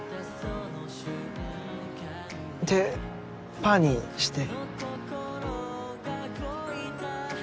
手パーにして。